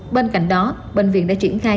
bên cạnh đó bệnh viện đã triển khai